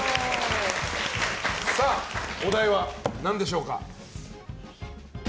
お題は何でしょうか？